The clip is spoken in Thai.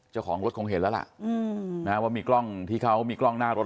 เจ้าของรถคงเห็นแล้วล่ะว่ามีกล้องที่เขามีกล้องหน้ารถ